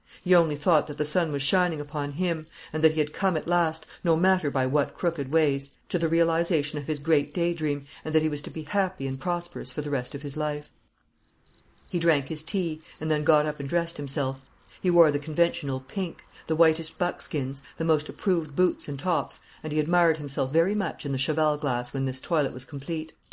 He only thought that the sun was shining upon him, and that he had come at last no matter by what crooked ways to the realisation of his great day dream, and that he was to be happy and prosperous for the rest of his life. He drank his tea, and then got up and dressed himself. He wore the conventional "pink," the whitest buckskins, the most approved boots and tops; and he admired himself very much in the cheval glass when this toilet was complete.